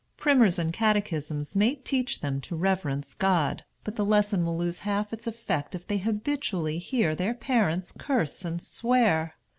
Primers and catechisms may teach them to reverence God, but the lesson will lose half its effect if they habitually hear their parents curse and swear.